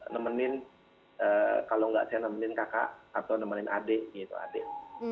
nemenin kalau nggak saya nemenin kakak atau nemenin adik gitu adik